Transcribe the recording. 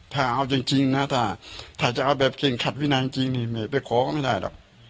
ถ้าเอาจริงนะถ้าจะเอาแบบเข่งขัดวินัยจริงนี่ไปขอก็ไม่ได้หรอก